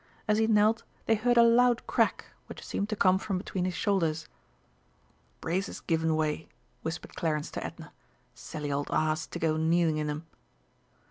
As he knelt they heard a loud crack which seemed to come from between his shoulders. "Braces given way," whispered Clarence to Edna; "silly old ass to go kneeling in 'em!"